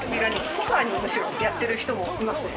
ソファにむしろやってる人もいますね。